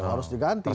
harus diganti gitu kan